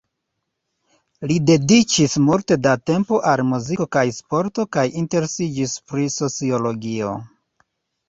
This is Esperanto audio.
Li dediĉis multe da tempo al muziko kaj sporto kaj interesiĝis pri sociologio.